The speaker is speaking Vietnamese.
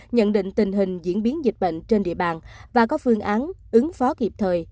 nhận định tình hình diễn biến dịch bệnh trên địa bàn và có phương án ứng phó kịp thời